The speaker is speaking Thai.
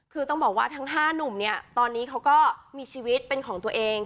คือต้องบอกว่าทั้ง๕หนุ่มเนี่ยตอนนี้เขาก็มีชีวิตเป็นของตัวเอง